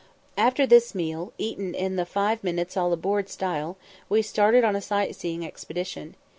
After this meal, eaten in the "five minutes all aboard" style, we started on a sight seeing expedition.